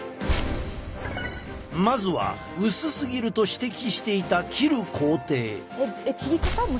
まずは薄すぎると指摘していた切る工程。